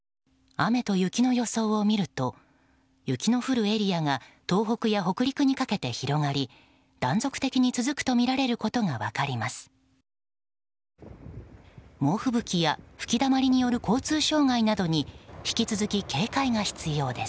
雨と雪の予想を見ると雪の降るエリアが東北や北陸にかけて広がり断続的に続くとみられることが分かります。